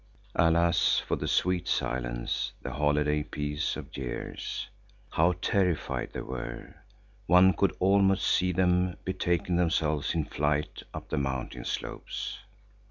Alas, for the sweet silence, the holiday peace of years! How terrified they were! One could almost see them betaking themselves in flight up the mountain slopes.